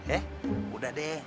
eh udah deh